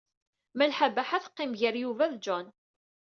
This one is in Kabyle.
Malḥa Baḥa teqqim gar Yuba d John.